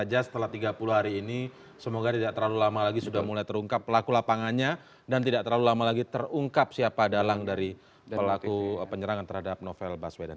setelah tiga puluh hari ini semoga tidak terlalu lama lagi sudah mulai terungkap pelaku lapangannya dan tidak terlalu lama lagi terungkap siapa dalang dari pelaku penyerangan terhadap novel baswedan